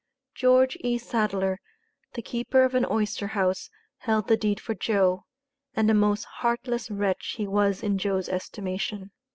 George E. Sadler, the keeper of an oyster house, held the deed for "Joe," and a most heartless wretch he was in Joe's estimation.